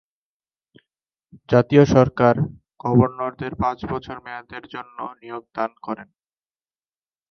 জাতীয় সরকার গভর্নরদের পাঁচ বছর মেয়াদের জন্য নিয়োগ দান করে।